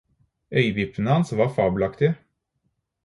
Øyevippene hans var fabelaktige.